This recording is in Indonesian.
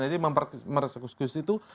jadi mempersekusi itu